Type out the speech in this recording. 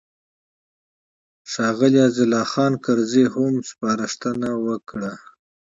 ښاغلي عزیز الله خان کرزي هم سپارښتنه وکړه.